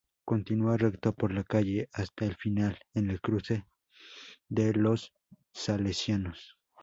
Continúa recto por la calle hasta el final, en el cruce de los Salesianos.